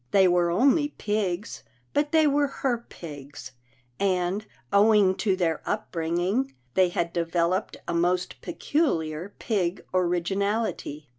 They were only pigs, but they were her pigs, and, owing to their upbringing, they had devel oped a most peculiar pig originality.